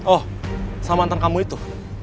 oh sama antang kamu itu